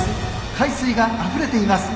海水があふれています。